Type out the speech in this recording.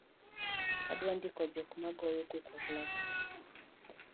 Adwa ndiko jok ma goyo koko e klas